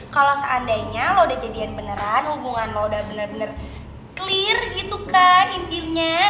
kalau seandainya lo udah jadian beneran hubungan lo udah bener bener clear gitu kan intinya